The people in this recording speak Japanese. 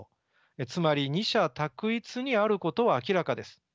つまり二者択一にあることは明らかです。